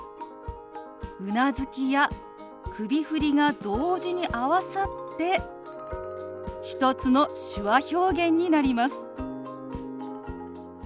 うなずきや首振りが同時に合わさって１つの手話表現になります。